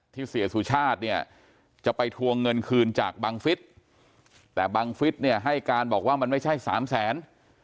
เสียสุชาติเนี่ยจะไปทวงเงินคืนจากบังฟิศแต่บังฟิศเนี่ยให้การบอกว่ามันไม่ใช่สามแสน